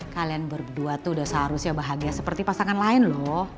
kalian berdua tuh udah seharusnya bahagia seperti pasangan lain loh